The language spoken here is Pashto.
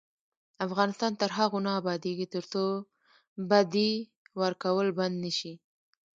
افغانستان تر هغو نه ابادیږي، ترڅو بدی ورکول بند نشي.